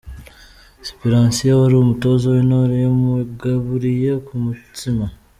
Siperansiya wari umutoza w'Intore yamugaburiye ku mutsima.